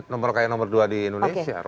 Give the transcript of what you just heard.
nomor kaya nomor dua di indonesia